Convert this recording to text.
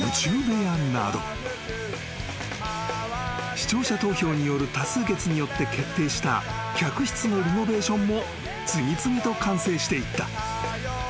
［視聴者投票による多数決によって決定した客室のリノベーションも次々と完成していった］